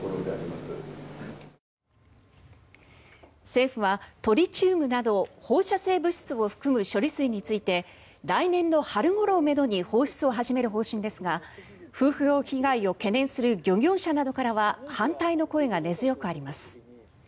政府はトリチウムなど放射性物質を含む処理水について来年の春ごろをめどに放出を始める方針ですが風評被害を懸念する漁業者などからは反対の声が根強くあります。